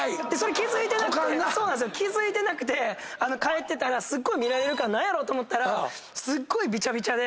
気付いてなくて帰ってたらすっごい見られるから何やろ？と思ったらすごいびちゃびちゃで。